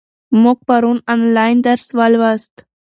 موږ پرون آنلاین درس ولوست.